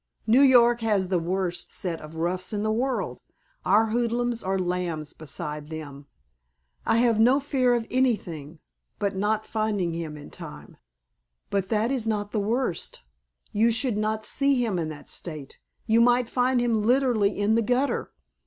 "New York has the worst set of roughs in the world. Our hoodlums are lambs beside them." "I have no fear of anything but not finding him in time." "But that is not the worst. You should not see him in that state. You might find him literally in the gutter.